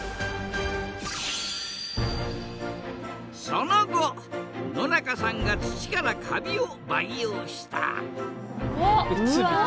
その後野中さんが土からカビを培養したあっ！